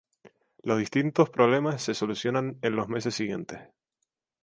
Los distintos problemas se solucionan en los meses siguientes.